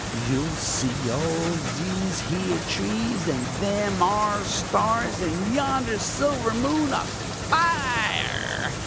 You'll see all these here trees and them 'are stars, and yonder silver moon afire!